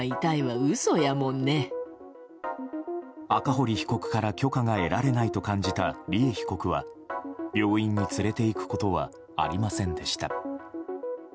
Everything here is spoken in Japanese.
赤堀被告から許可が得られないと感じた利恵被告は病院に連れていくことはありませんでした。